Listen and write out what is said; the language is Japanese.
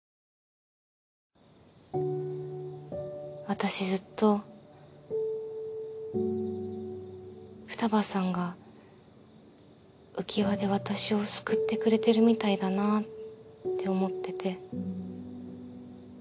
私ずっと二葉さんがうきわで私を救ってくれてるみたいだなぁって思ってて。